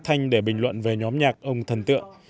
thanh để bình luận về nhóm nhạc ông thần tượng